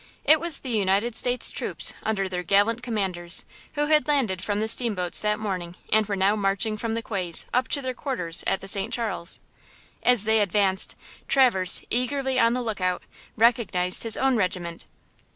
It was the United States troops under their gallant commanders, who had landed from the steamboats that morning and were now marching from the quays up to their quarters at the St. Charles. As they advanced, Traverse, eagerly upon the lookout, recognized his own regiment.